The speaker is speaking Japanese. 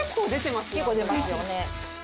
結構出ますよね。